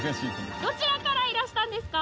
どちらからいらしたんですか？